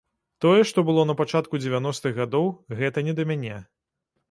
Тое, што было напачатку дзевяностых гадоў, гэта не да мяне.